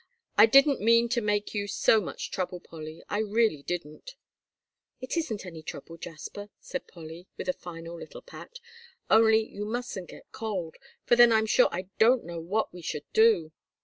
"I didn't mean to make you so much trouble, Polly, I really didn't." "It isn't any trouble, Jasper," said Polly, with a final little pat, "only you mustn't get cold, for then I'm sure I don't know what we should do."